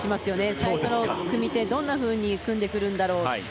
最初の組み手、どんなふうに組んでくるんだろうと。